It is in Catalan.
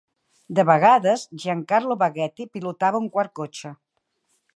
De vegades, Giancarlo Baghetti pilotava un quart cotxe.